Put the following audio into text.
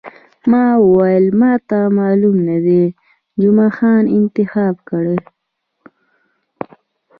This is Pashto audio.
ما وویل، ما ته معلوم نه دی، جمعه خان انتخاب کړی.